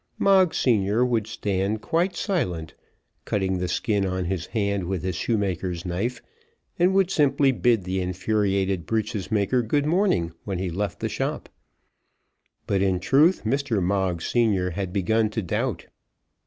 Moggs senior would stand quite silent, cutting the skin on his hand with his shoemaker's knife, and would simply bid the infuriated breeches maker good morning, when he left the shop. But, in truth, Mr. Moggs senior had begun to doubt.